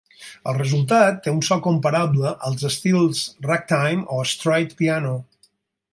El resultat té un so comparable als estils ragtime o stride piano.